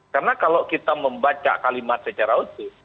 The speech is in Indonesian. karena kalau kita membaca kalimat secara utuh